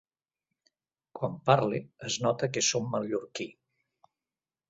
Quan parle, es nota que som mallorquí.